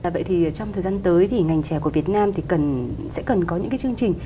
vậy thì trong thời gian tới thì ngành trèo của việt nam sẽ cần có những chương trình